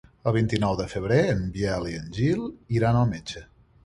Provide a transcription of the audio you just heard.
El vint-i-nou de febrer en Biel i en Gil iran al metge.